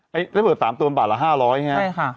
เฮ้ยถ้าเวิร์ด๓ตัวบาทละ๕๐๐เนี่ย